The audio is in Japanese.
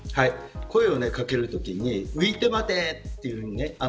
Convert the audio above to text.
声をかけるときに浮いて待て、というふうに